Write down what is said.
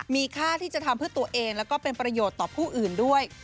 มีค่าที่จะทำเพื่อตัวเองแล้วก็เป็นประโยชน์ต่อผู้อื่นด้วย